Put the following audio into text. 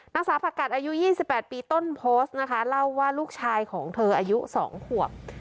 นักศึกษาผักกัดอายุยี่สิบแปดปีต้นโพสต์นะคะเล่าว่าลูกชายของเธออายุสองขวบ